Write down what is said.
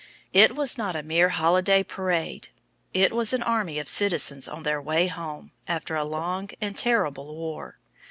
It was not a mere holiday parade; it was an army of citizens on their way home after a long and terrible war.